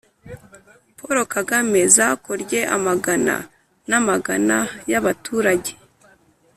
paul kagame zakorye amagana n'amagana y'abaturage